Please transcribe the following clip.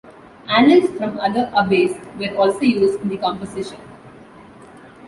Annals from other abbeys were also used in the composition.